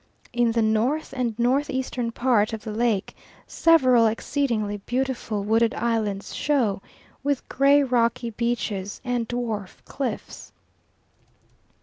In the north and north eastern part of the lake several exceedingly beautiful wooded islands show, with gray rocky beaches and dwarf cliffs.